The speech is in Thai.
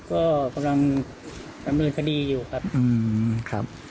เราประมาณขยามลืมคดีอยู่ครับ